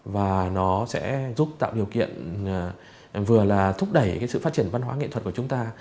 và nó sẽ giúp tạo điều kiện vừa là thúc đẩy cái sự phát triển văn hóa nghệ thuật của chúng ta